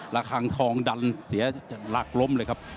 ระคังทองดันเสียหลักล้มเลยครับ